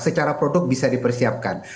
secara produk bisa dipersiapkan